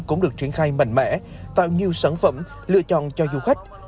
cũng được triển khai mạnh mẽ tạo nhiều sản phẩm lựa chọn cho du khách